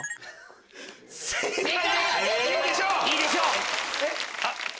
いいでしょう！